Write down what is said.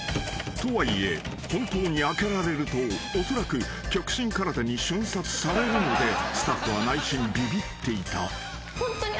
［とはいえ本当に開けられるとおそらく極真空手に瞬殺されるのでスタッフは］